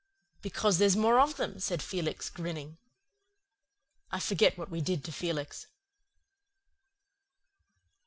"Because there's more of them," said Felix, grinning. I forget what we did to Felix.